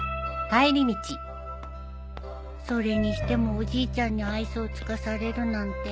それにしてもおじいちゃんに愛想尽かされるなんて